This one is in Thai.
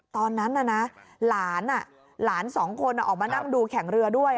ตอนนั้นน่ะนะหลานหลานสองคนออกมานั่งดูแข่งเรือด้วย